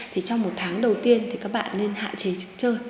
thì trong một tháng đầu tiên thì các bạn nên hạn chế chơi